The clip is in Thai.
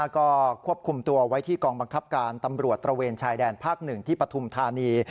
ก็ควบคุมตัวไว้ที่กองบังคับการตำรวจตระเวนชายแดนภาค๑ที่ปฐุมธานี